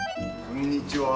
こんにちは。